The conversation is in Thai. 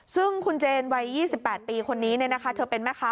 ซึ่งคุณเจนวัย๒๘ปีคนนี้เธอเป็นแม่ค้า